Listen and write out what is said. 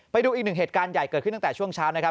ไปดูอีกหนึ่งเหตุการณ์ใหญ่เกิดขึ้นตั้งแต่ช่วงเช้านะครับ